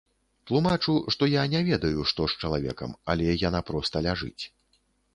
Тлумачу, што я не ведаю, што з чалавекам, але яна проста ляжыць.